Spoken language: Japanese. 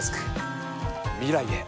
未来へ。